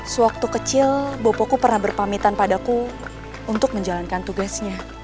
sewaktu kecil bopoku pernah berpamitan padaku untuk menjalankan tugasnya